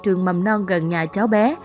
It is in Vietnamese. trường mầm non gần nhà cháu bé